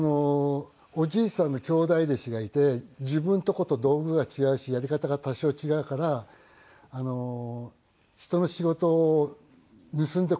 おじいさんの兄弟弟子がいて自分のとこと道具が違うしやり方が多少違うから人の仕事を盗んでこいっていうイメージですよね。